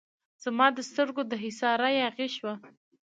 زما د سترګو د حصاره یاغي شوی